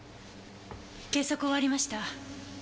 計測終わりました。